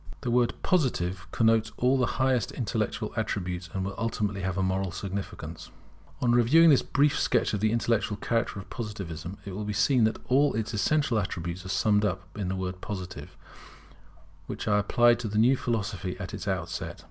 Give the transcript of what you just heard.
[The word Positive connotes all the highest intellectual attributes, and will ultimately have a moral significance] On reviewing this brief sketch of the intellectual character of Positivism, it will be seen that all its essential attributes are summed up in the word Positive, which I applied to the new philosophy at its outset.